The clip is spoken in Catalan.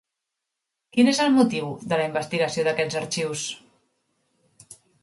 Quin és el motiu de la investigació d'aquests arxius?